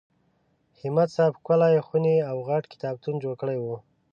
همت صاحب ښکلې خونې او غټ کتابتون جوړ کړی و.